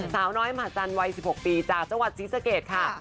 สาวน้อยมหาจันทร์วัย๑๖ปีจากจังหวัดศรีสะเกดค่ะ